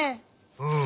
うん。